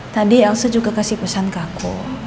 tadi elsa juga kasih pesan ke aku